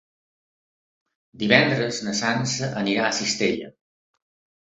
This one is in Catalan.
Divendres na Sança irà a Cistella.